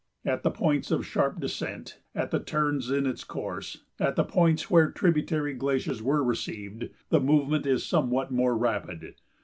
At the points of sharp descent, at the turns in its course, at the points where tributary glaciers were received, the movement is somewhat more rapid.